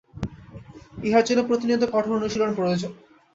ইহার জন্য প্রতিনিয়ত কঠোর অনুশীলন প্রয়োজন।